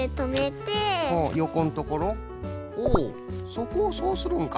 そこをそうするんか。